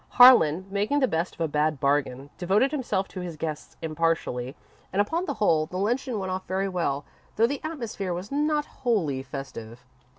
Harlan, making the best of a bad bargain, devoted himself to his guests impartially, and, upon the whole, the luncheon went off very well, though the atmosphere was not wholly festive.